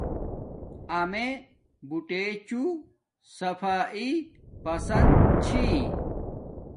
امیے بوٹے چو صافایݵ پسند چھی